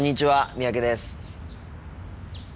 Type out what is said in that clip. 三宅です。